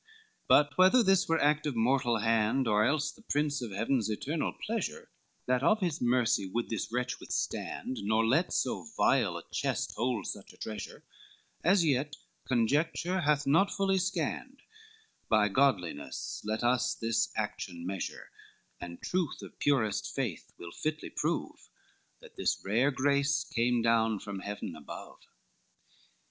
IX But whether this were act of mortal hand, Or else the Prince of Heaven's eternal pleasure, That of his mercy would this wretch withstand, Nor let so vile a chest hold such a treasure, As yet conjecture hath not fully scanned; By godliness let us this action measure, And truth of purest faith will fitly prove That this rare grace came down from Heaven above.